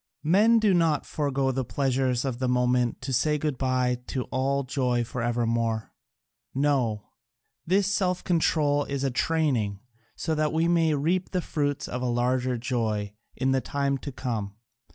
Men do not forego the pleasures of the moment to say good bye to all joy for evermore no, this self control is a training, so that we may reap the fruits of a larger joy in the time to come.